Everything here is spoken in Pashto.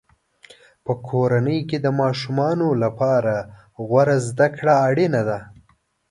په کورنۍ کې د ماشومانو لپاره غوره زده کړه اړینه ده.